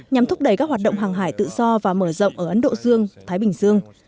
nhằm thúc đẩy các hoạt động hàng hải tự do và mở rộng ở ấn độ dương thái bình dương